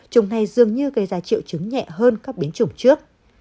chủng này dường như gây ra triệu chứng nhẹ hơn các biến chủng trước